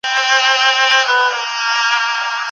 کليشه يي کتابونه لوستونکي له مطالعې زړه توري کوي.